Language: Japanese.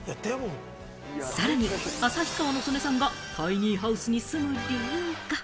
さらに旭川の曽根さんがタイニーハウスに住む理由が。